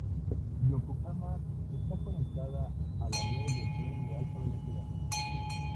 Yokohama está conectada a la red de tren de alta velocidad.